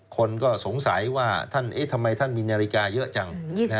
คนก็สงสัยว่าทำไมท่านมีนาฬิกาเยอะจัง